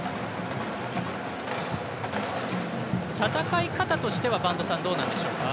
戦い方としては播戸さんどうなんでしょうか。